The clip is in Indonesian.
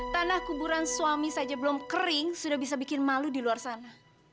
tanah kuburan suami saja belum kering sudah bisa bikin malu di luar sana